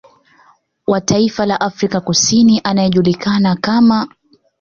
Wa taifa la Afrika ya Kusini anayejulikana kama